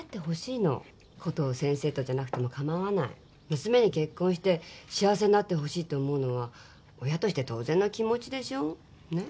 娘に結婚して幸せになってほしいと思うのは親として当然の気持ちでしょう？ねえ。